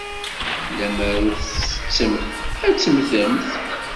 Lemmer ur tettettemt, ad temmtemt.